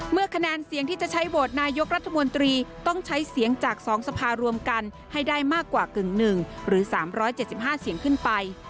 คะแนนเสียงที่จะใช้โหวตนายกรัฐมนตรีต้องใช้เสียงจาก๒สภารวมกันให้ได้มากกว่ากึ่งหนึ่งหรือ๓๗๕เสียงขึ้นไป